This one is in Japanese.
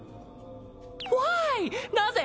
ホワイなぜ？